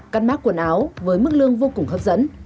cắt mắt quần áo với mức lương vô cùng hấp dẫn